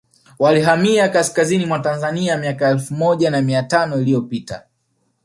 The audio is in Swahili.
walihamia Kaskazini mwa Tanzania miaka elfu moja na mia tano iliyopita